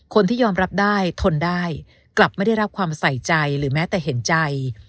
คนที่ยอมรับได้ทนได้กลับไม่ได้รับความใส่ใจหรือแม้แต่เห็นใจ